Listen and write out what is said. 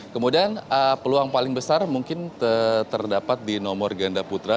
kemudian peluang paling besar mungkin terdapat di nomor ganda putra